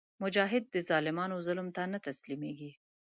مجاهد د ظالمانو ظلم ته نه تسلیمیږي.